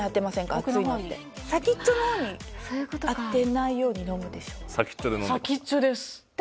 熱いのって先っちょの方に当てないように飲むでしょ？